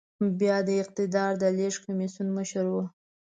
بيا د اقتدار د لېږد کميسيون مشر و.